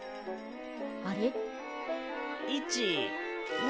あれ？